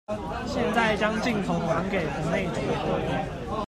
現在將鏡頭還給棚內主播